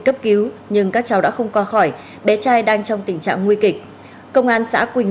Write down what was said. cấp cứu nhưng các cháu đã không qua khỏi bé trai đang trong tình trạng nguy kịch công an xã quỳnh